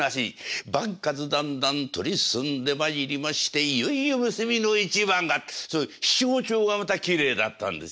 番数だんだん取り進んでまいりましていよいよ結びの一番が」ってそういう七五調がまたきれいだったんです。